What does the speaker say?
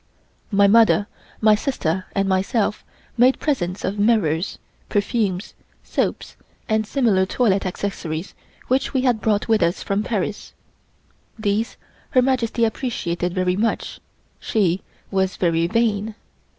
My mother, my sister and myself made presents of mirrors, perfumes, soaps and similar toilet accessories which we had brought with us from Paris. These Her Majesty appreciated very much; she was very vain.